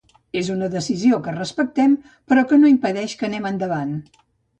És una decisió que respectem però que no impedeix que anem endavant.